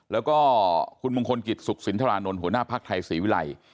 แล้วก็คุณมงคลกิจสุขสินทรานนท์หัวหน้าภักดิ์ไทยศรีวิรัย